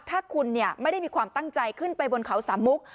ถ้าคุณไม่ได้มีความตั้งใจขึ้นไปบนเขาสามมุก